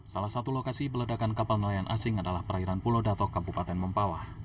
salah satu lokasi peledakan kapal nelayan asing adalah perairan pulau datok kabupaten mempawah